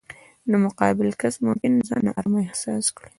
نو مقابل کس مو ممکن ځان نا ارامه احساس کړي.